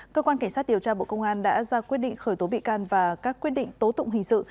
cơ quan cảnh sát điều tra bộ công an đã ra quyết định khởi tố bị can và các quyết định tố tụng hình sự